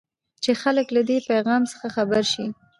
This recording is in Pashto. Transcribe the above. چې خلک له دې پيفام څخه خبر شي.